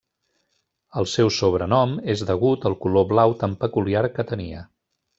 El seu sobrenom és degut al color blau tan peculiar que tenia.